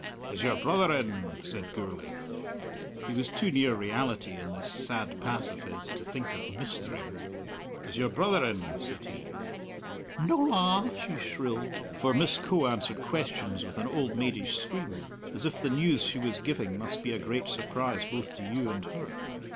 "Is your brother in?" said Gourlay. He was too near reality in this sad pass of his to think of "mistering." "Is your brother in?" said he. "No a!" she shrilled for Miss Coe answered questions with an old maidish scream, as if the news she was giving must be a great surprise both to you and her.